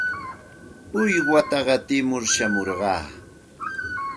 Uywata qatimur shamurqaa.